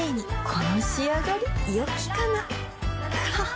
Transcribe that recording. この仕上がりよきかなははっ